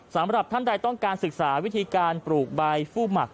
สำหรับท่านใดต้องการศึกษาวิธีการปลูกใบฟู้หมัก